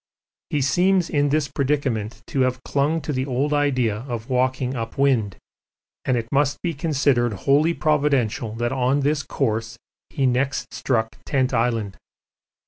He seems in this predicament to have clung to the old idea of walking up wind, and it must be considered wholly providential that on this course he next struck Tent Island.